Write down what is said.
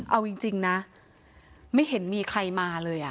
เอาจริงได้๓๔๐๐๐๐๐๐๐๐๐๐๐๐๐๐๐๐ไม่เข็มมีใครมาเลยอ่ะ